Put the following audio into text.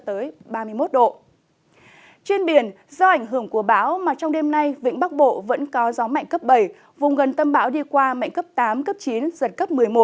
trên biển do ảnh hưởng của bão mà trong đêm nay vĩnh bắc bộ vẫn có gió mạnh cấp bảy vùng gần tâm bão đi qua mạnh cấp tám cấp chín giật cấp một mươi một